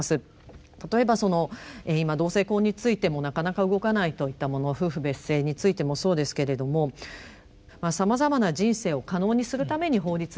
例えばその今同性婚についてもなかなか動かないといったもの夫婦別姓についてもそうですけれどもさまざまな人生を可能にするために法律があるのかですね